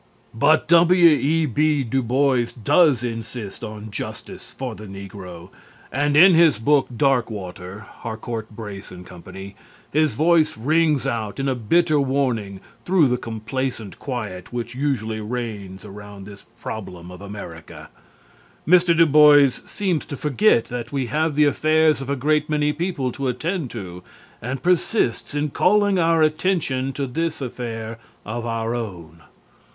But W.E.B. Du Bois does insist on justice for the negro, and in his book "Darkwater" (Harcourt, Brace & Co.) his voice rings out in a bitter warning through the complacent quiet which usually reigns around this problem of America. Mr. Du Bois seems to forget that we have the affairs of a great many people to attend to and persists in calling our attention to this affair of our own.